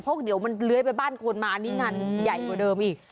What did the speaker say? เพราะเดี๋ยวมันเลื้อยไปบ้านคนมาอันนี้งานใหญ่กว่าเดิมอีก